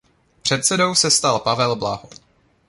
Předsedou se stal Pavel Blaho.